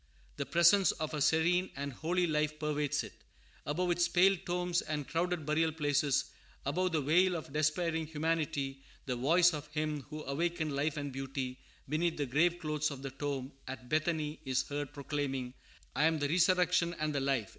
The presence of a serene and holy life pervades it. Above its pale tombs and crowded burial places, above the wail of despairing humanity, the voice of Him who awakened life and beauty beneath the grave clothes of the tomb at Bethany is heard proclaiming, "I am the Resurrection and the Life."